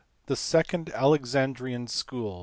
THE SECOND ALEXANDRIAN SCHOOL*.